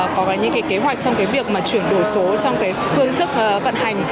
có những cái kế hoạch trong cái việc mà chuyển đổi số trong cái phương thức vận hành